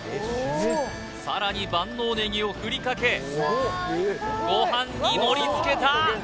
さらに万能ネギをふりかけご飯に盛りつけた！